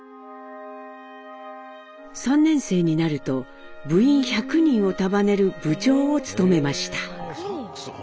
３年生になると部員１００人を束ねる部長を務めました。